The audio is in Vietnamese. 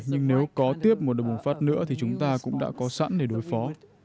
nhưng nếu có tiếp một đợt bùng phát nữa thì chúng ta cũng đã có sẵn để đối phó